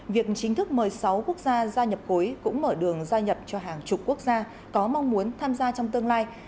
việc chính thức mời sáu quốc gia gia nhập khối cũng mở đường gia nhập cho hàng chục quốc gia có mong muốn tham gia trong tương lai